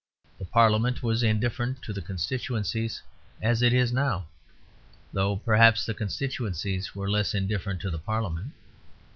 The Parliament was indifferent to the constituencies, as it is now; though perhaps the constituencies were less indifferent to the Parliament.